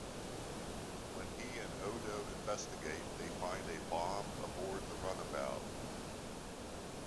When he and Odo investigate, they find a bomb aboard the runabout.